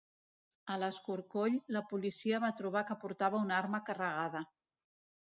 En l'escorcoll la policia va trobar que portava una arma carregada.